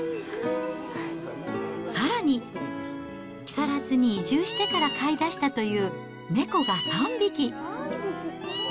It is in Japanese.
さらに、木更津に移住してから飼いだしたという、猫が３匹。